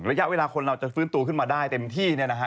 ระยะเวลาคนเราจะฟื้นตัวขึ้นมาได้เต็มที่